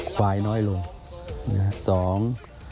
ควายน้อยลง